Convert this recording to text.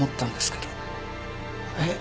えっ？